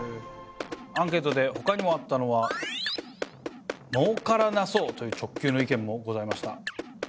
アンケートでほかにもあったのは儲からなそうという直球の意見もございました。